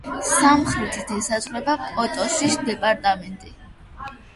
სამხრეთით ესაზღვრება პოტოსის დეპარტამენტი.